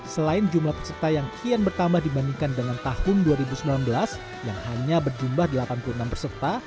selain jumlah peserta yang kian bertambah dibandingkan dengan tahun dua ribu sembilan belas yang hanya berjumlah delapan puluh enam peserta